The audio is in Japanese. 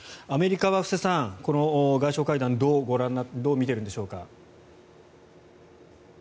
アメリカはこの外相会談どう見ているんでしょうか。